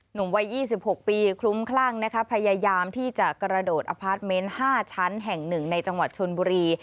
หนุ่มวัย๒๖ปีคลุ้มคลั่งนะคะพยายามที่จะกระโดดอพาร์ทเมนต์๕ชั้นแห่ง๑ในจังหวัดชนบุรี